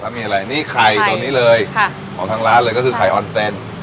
มีอะไรนี่ไข่ตัวนี้เลยค่ะของทางร้านเลยก็คือไข่ออนเซน